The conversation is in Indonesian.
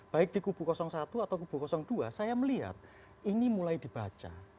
baik di kubu satu atau kubu dua saya melihat ini mulai dibaca